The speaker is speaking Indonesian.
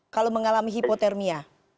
kalau mengalami hipotermia